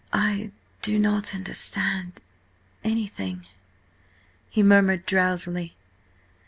"I–do not–understand–anything," he murmured drowsily.